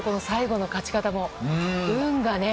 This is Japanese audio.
最後の勝ち方も。